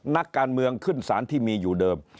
นักการเมืองขึ้นสารที่มีอยู่เดิม